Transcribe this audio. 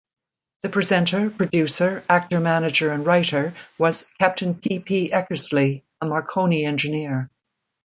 The presenter, producer, actor-manager and writer was Captain P. P. Eckersley, a Marconi engineer.